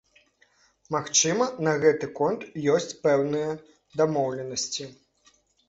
Магчыма, на гэты конт ёсць пэўныя дамоўленасці.